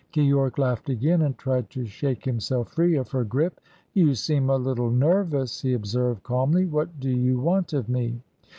Keyork laughed again, and tried to shake himself free of her grip. "You seem a little nervous," he observed calmly. "What do you want of me?"